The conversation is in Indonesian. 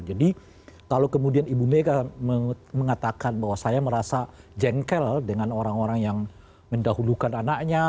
jadi kalau kemudian ibu mega mengatakan bahwa saya merasa jengkel dengan orang orang yang mendahulukan anaknya